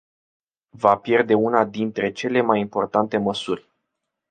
Va pierde una dintre cele mai importante măsuri.